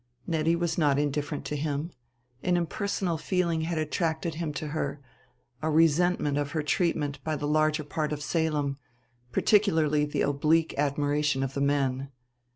Nettie was not indifferent to him. An impersonal feeling had attracted him to her a resentment of her treatment by the larger part of Salem, particularly the oblique admiration of the men.